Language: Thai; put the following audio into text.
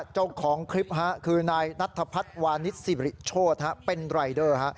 เจ้าของคลิปคือนายนัทพัฒน์วานิสสิริโชธเป็นรายเดอร์